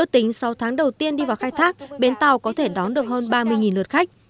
trong thời gian khác bến tàu có thể đón được hơn ba mươi lượt khách